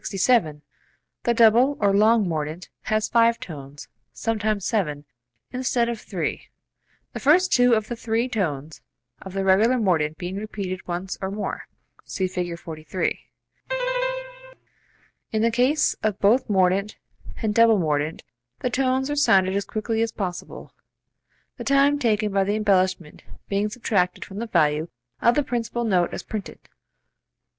42.] 67. The double (or long) mordent has five tones (sometimes seven) instead of three, the first two of the three tones of the regular mordent being repeated once or more. (See Fig. 43.) In the case of both mordent and double mordent the tones are sounded as quickly as possible, the time taken by the embellishment being subtracted from the value of the principal note as printed.